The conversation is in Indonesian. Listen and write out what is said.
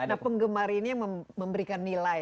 nah penggemar ini yang memberikan nilai